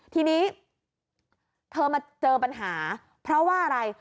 ทีนี้เธอมาเจอปัญหาเพราะว่าอะไร